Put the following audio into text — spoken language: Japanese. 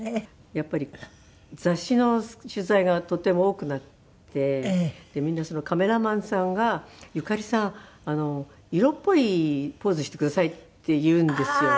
やっぱり雑誌の取材がとても多くなってみんなカメラマンさんが「ゆかりさん色っぽいポーズしてください」って言うんですよ